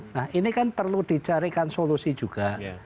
nah ini kan perlu dicarikan solusi juga